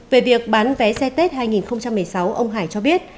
về việc bán vé xe tết hai nghìn một mươi sáu ông hải cho biết